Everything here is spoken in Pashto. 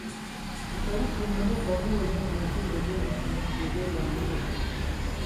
د تاریخ لومړنۍ قومي وژنې ممکن د دې مخامخ کېدو له امله وې.